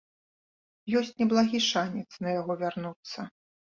Ёсць неблагі шанец на яго вярнуцца.